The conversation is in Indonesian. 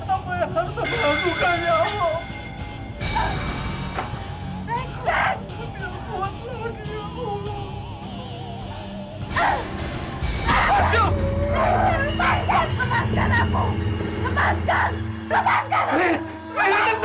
apa yang harus aku lakukan ya allah